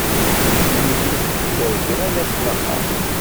Tekcem-it tkerkra n at laxeṛt.